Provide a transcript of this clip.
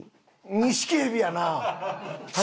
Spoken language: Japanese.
ニシキヘビやな。